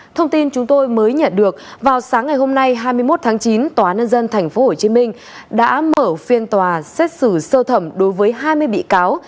thông tin chúng tôi mới nhận được vào sáng ngày hôm nay hai mươi một tháng chín tòa nhân dân tp hcm đã mở phiên tòa xét xử sơ thẩm đối với hai mươi bị cáo